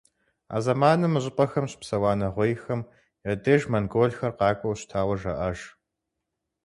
А зэманым мы щӀыпӀэхэм щыпсэуа нэгъуейхэм я деж монголхэр къакӀуэу щытауэ жаӀэж.